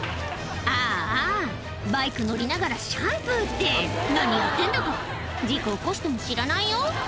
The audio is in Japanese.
ああバイク乗りながらシャンプーって何やってんだか事故起こしても知らないよ